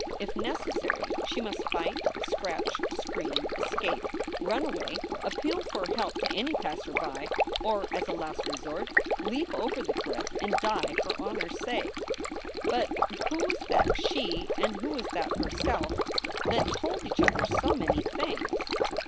If necessary, she must fight, scratch, scream, escape, run away, appeal for help to any passer by, or, as a last resort, leap over the cliff and die for honor s sake. But who was that She and who was that Herself that told each other so many things?